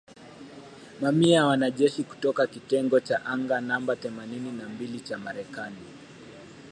Mamia ya wanajeshi kutoka kitengo cha anga namba themanini na mbili cha Marekani